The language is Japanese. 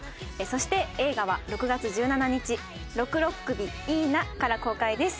そして映画は６月１７日「ろくろっ首、イイな」から公開です。